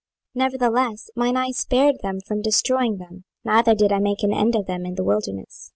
26:020:017 Nevertheless mine eye spared them from destroying them, neither did I make an end of them in the wilderness.